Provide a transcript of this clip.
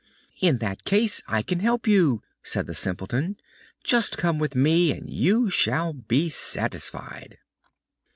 "In that case I can help you," said the Simpleton. "Just come with me and you shall be satisfied."